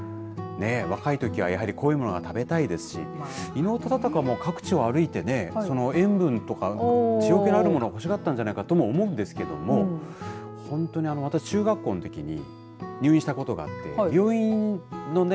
若いときは、やはり濃いものが食べたいですし伊能忠敬も各地を歩いて塩分とか塩気のあるものを欲しがったんじゃないかとも思うんですけども本当に私、中学校のときに入院したことがあって病院のね。